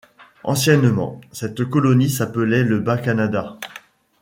Anciennement, cette colonie s'appelait le Bas-Canada.